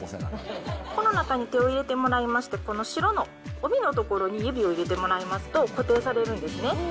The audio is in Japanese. この中に手を入れてもらいまして、この白の帯のところに指を入れてもらいますと固定されるんですね。